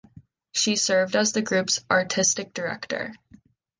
She served as the group's artistic director.